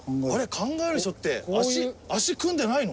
考える人って足組んでないの？